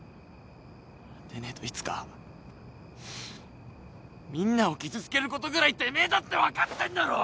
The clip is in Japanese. でねえといつかみんなを傷つけることぐらいてめえだって分かってんだろ！？